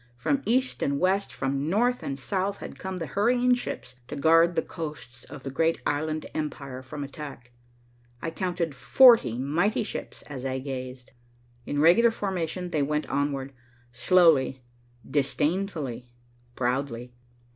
From East and West, from North and South had come the hurrying ships to guard the coasts of the great island empire from attack. I counted forty mighty ships as I gazed. In regular formation they went onward, slowly, disdainfully, proudly.